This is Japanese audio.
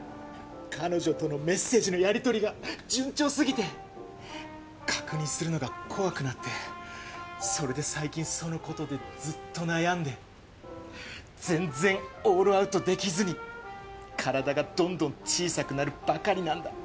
彼女とのメッセージのやり取りが順調すぎて。確認するのが怖くなってそれで最近その事でずっと悩んで全然オールアウトできずに体がどんどん小さくなるばかりなんだ。